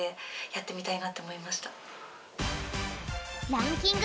ランキング